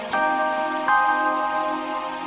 tidak aku lupa